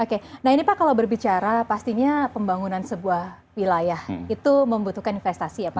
oke nah ini pak kalau berbicara pastinya pembangunan sebuah wilayah itu membutuhkan investasi ya pak